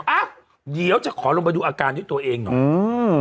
อ๊ะเดี๋ยวจะขอลงไปดูอาการที่ตัวเองหน่อย